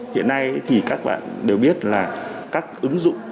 hiện nay thì các bạn đều biết là các ứng dụng